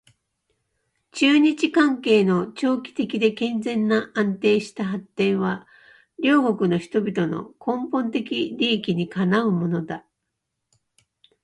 中日関係の長期的で健全な安定した発展は両国の人々の根本的利益にかなうものだ